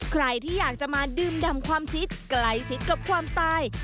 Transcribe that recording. ใครที่อยากจะมาดื่มดำความชิดใกล้ชิดกับความตาย